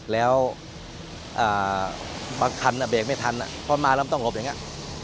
แล้วบางคันเบรกไม่ทันเพราะมาแล้วมันต้องหลบอย่างนี้